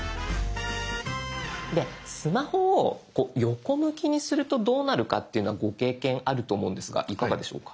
スマホをこう横向きにするとどうなるかっていうのはご経験あると思うんですがいかがでしょうか？